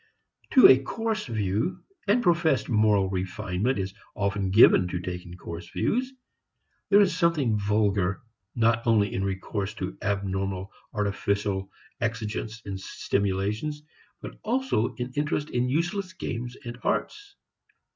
To a coarse view and professed moral refinement is often given to taking coarse views there is something vulgar not only in recourse to abnormal artificial exigents and stimulations but also in interest in useless games and arts.